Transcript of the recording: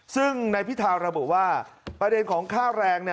ซึ่งนายพิธาระบุว่าประเด็นของค่าแรง